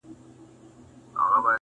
• اوس معلومه سوه چي دا سړی پر حق دی,